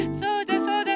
そうです。